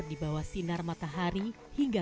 iya yang bisa saja